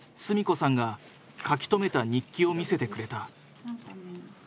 純子さんが書き留めた日記を見せてくれた。